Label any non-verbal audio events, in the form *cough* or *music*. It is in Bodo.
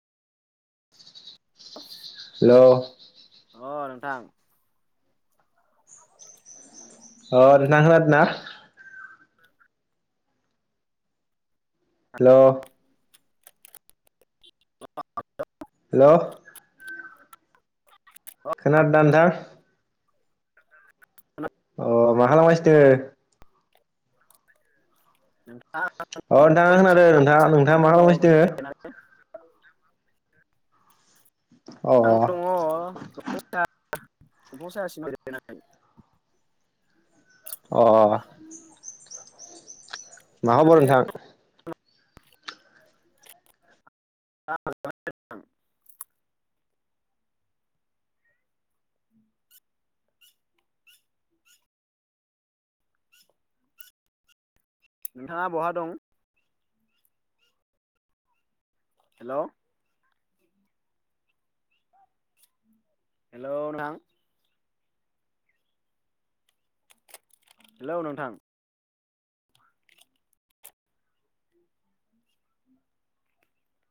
हेल' अ नोंथां अ नोंथां खोनादों ना? हेल *inaudible* हेलो अ खोनादो दा नोंथां? अह मा खालामगासिनो? *inaudible* अ दङ दंफां नोंथाङा साया खोनादों दंफां नोंथाङा साया नोंथाङा मा सिङाव खालामगासिनो दोङो? जिरायनानै आं दङ अ *unintelligible* दंफां साया सिंआव जिरायनानै। अ मा खबर नोंथांनि नोंथां? *unintelligible* नोंथाङा बहा दं? हेलौ हेलौ नोंथां हेलौ नोंथां